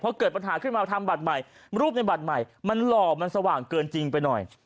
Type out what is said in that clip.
พอเกิดปัญหาขึ้นมาทำบัตรใหม่รูปในบัตรใหม่มันหล่อมันสว่างเกินจริงไปหน่อย